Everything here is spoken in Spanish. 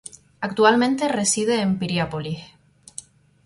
Actualmente reside en Piriápolis.